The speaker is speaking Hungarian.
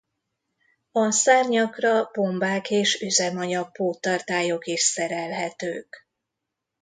A szárnyakra bombák és üzemanyag-póttartályok is szerelhetők.